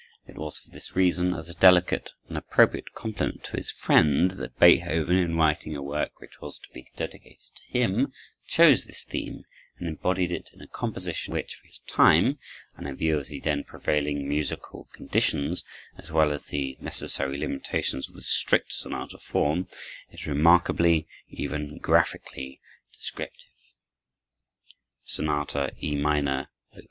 It was for this reason, as a delicate and appropriate compliment to his friend, that Beethoven, in writing a work which was to be dedicated to him, chose this theme and embodied it in a composition which, for his time and in view of the then prevailing musical conditions, as well as the necessary limitations of the strict sonata form, is remarkably, even graphically, descriptive. Beethoven: Sonata, E Minor, Op.